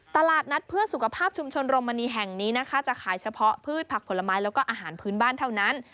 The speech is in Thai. ตลาดนัดเพื่อสุขภาพชุมชนโรมณีแห่งนี้นะคะจะขายเฉพาะพืชผักผลไม้แล้วก็อาหารพื้นบ้านเท่านั้น